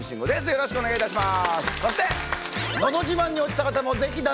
よろしくお願いします。